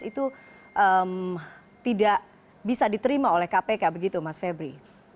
itu tidak bisa diterima oleh kpk begitu mas febri